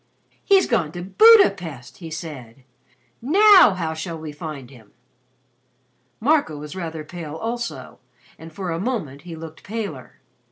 "He's gone to Budapest," he said. "Now how shall we find him?" Marco was rather pale also, and for a moment he looked paler.